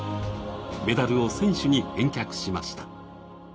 メダルを選手に返却しました。